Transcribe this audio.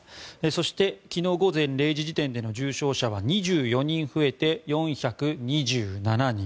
そして、昨日午前０時時点での重症者は２４人増えて４２７人。